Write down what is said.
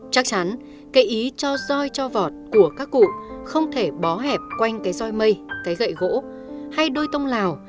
chắc chắn cây ý cho roi cho vọt của các cụ không thể bó hẹp quanh cái roi mây cái gậy gỗ hay đôi tông lào